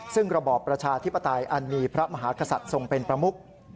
ซึ่งระบอบประชาธิปไตยอันมีพระมหากษัตริย์ทรงเป็นประมุก